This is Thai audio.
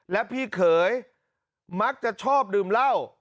และพี่เขยมักจะชอบดื่มเหล้า